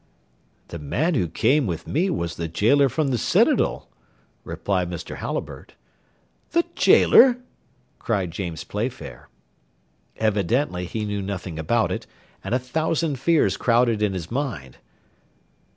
"The man who came with me was the gaoler from the citadel," replied Mr. Halliburtt. "The gaoler!" cried James Playfair. Evidently he knew nothing about it, and a thousand fears crowded in his mind.